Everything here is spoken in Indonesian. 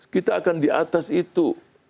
kita akan di atas itu